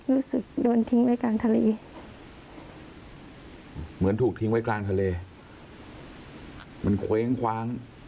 รู้สึกโดนทิ้งไว้กลางทะเลเหมือนถูกทิ้งไว้กลางทะเลมันเคว้งคว้าง